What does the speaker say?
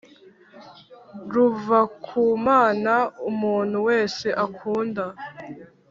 Ruva kumana umuntu wese akunda